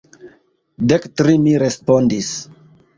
Dek tri, mi respondis.